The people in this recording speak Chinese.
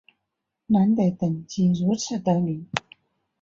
南德等即如此得名。